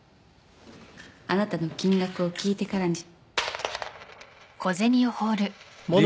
あなたの金額を聞いてから。